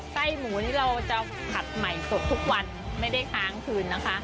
ไส้หมูนี่เราจะผัดใหม่สดทุกวันไม่ได้ค้างคืนนะคะ